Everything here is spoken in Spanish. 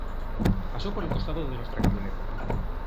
Pasó por el costado de nuestra camioneta.